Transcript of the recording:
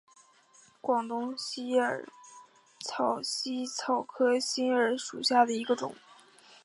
广东新耳草为茜草科新耳草属下的一个种。